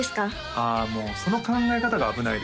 ああもうその考え方が危ないですね